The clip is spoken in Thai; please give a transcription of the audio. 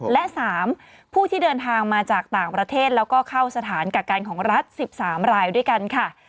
และ๓ผู้ที่เดินทางมาจากต่างประเทศแล้วก็เข้าสถานกักกันของรัฐ๑๓รายด้วยกันค่ะ